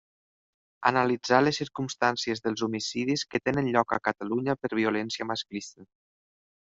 Analitzar les circumstàncies dels homicidis que tenen lloc a Catalunya per violència masclista.